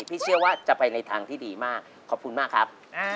พี่เชื่อว่าจะไปในทางที่ดีมากขอบคุณมากครับ